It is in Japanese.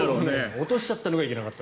落としちゃったのがいけなかった。